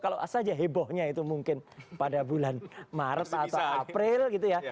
kalau saja hebohnya itu mungkin pada bulan maret atau april gitu ya